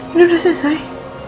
itu sudah selesai